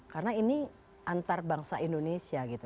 karena ini antar bangsa indonesia gitu